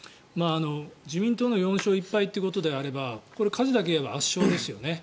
自民党の４勝１敗ということであればこれは数だけ言えば圧勝ですよね。